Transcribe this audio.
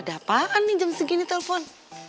ada apaan nih jam segini telpon